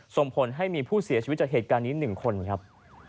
ส่งผลให้มีผู้เสียชีวิตจากเหตุการณ์นี้๑คนครับ